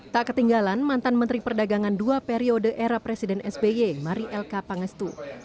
tak ketinggalan mantan menteri perdagangan dua periode era presiden sby mari elka pangestu